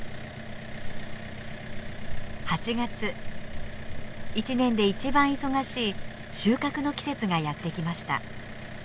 ８月一年で一番忙しい収穫の季節がやって来ました。